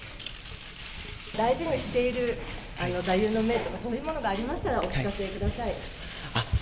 大事にしている座右の銘とか、そういうものがありましたら、お聞かせください。